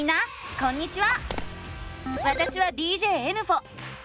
こんにちは！